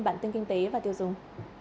bản tin kinh tế và tiêu dùng